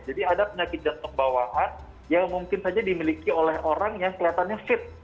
jadi ada penyakit jantung bawaan yang mungkin saja dimiliki oleh orang yang kelihatannya fit